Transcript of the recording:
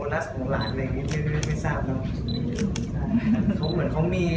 แต่มุมหลานในนี้ไม่ทราบมุม